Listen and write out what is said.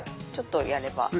ちょっとやれば。